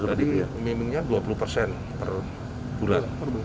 jadi memimpinnya dua puluh persen per bulan